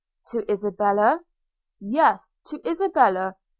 'To Isabella?' 'Yes, to Isabella.